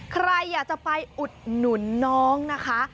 ใครอยากจะไปอุดหนุนน้องนะคะ